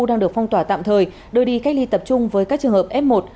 đang được phong tỏa tạm thời đưa đi cách ly tập trung với các trường hợp f một